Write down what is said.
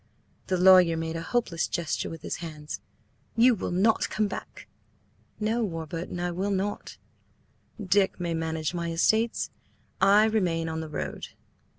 The lawyer made a hopeless gesture with his hands. "You will not come back?" "No, Warburton, I will not; Dick may manage my estates. I remain on the road."